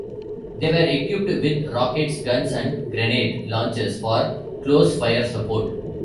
They were equipped with rockets, guns, and grenade launchers for close fire support.